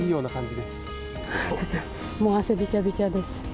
もう汗びちゃびちゃです。